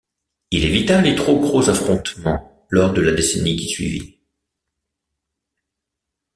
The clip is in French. Il évita les trop gros affrontements lors de la décennie qui suivit.